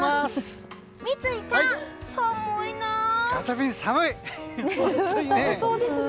三井さん、寒いね！